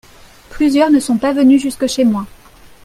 Plusieurs ne sont pas venus jusque chez moi.